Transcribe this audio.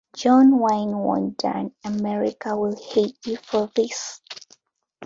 John Wayne warned Dern, America will hate you for this.